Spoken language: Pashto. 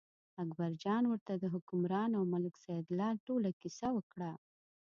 اکبرجان ورته د حکمران او ملک سیدلال ټوله کیسه وکړه.